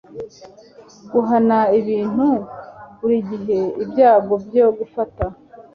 guhana ibintu, burigihe ibyago byo gufata